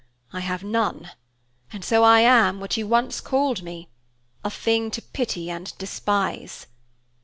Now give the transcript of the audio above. I have none, and so I am what you once called me, a thing to pity and despise."